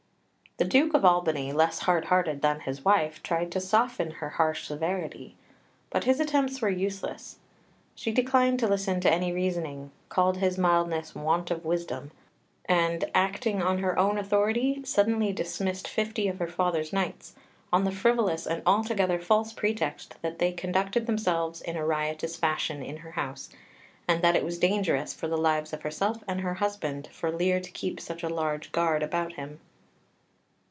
The Duke of Albany, less hard hearted than his wife, tried to soften her harsh severity, but his attempts were useless. She declined to listen to any reasoning, called his mildness "want of wisdom," and, acting on her own authority, suddenly dismissed fifty of her father's knights, on the frivolous and altogether false pretext that they conducted themselves in a riotous fashion in her house, and that it was dangerous for the lives of herself and her husband for Lear to keep such a large guard about him.